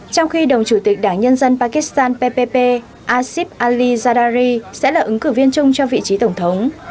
trong khi đồng chủ tịch đảng nhân dân pakistan ppp asif ali zadari sẽ là ứng cử viên chung cho vị trí thủ tướng